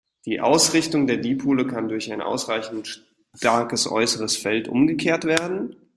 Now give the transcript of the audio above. Die Ausrichtung der Dipole kann durch ein ausreichend starkes äußeres Feld umgekehrt werden.